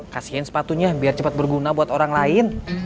kasihin sepatunya biar cepat berguna buat orang lain